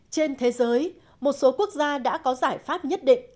trên thế giới một số quốc gia đã có giải pháp nhất định